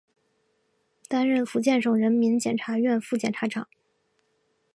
担任福建省人民检察院副检察长。